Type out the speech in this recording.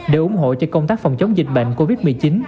để ủng hộ cho công tác phòng chống dịch bệnh covid một mươi chín